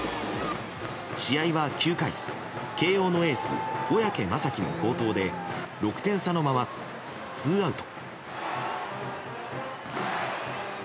試合は９回、慶應のエース小宅雅己の好投で６点差のまま、ツーアウト。